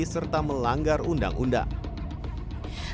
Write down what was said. serta melanggar undang undang